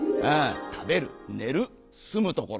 食べる寝る住むところ」。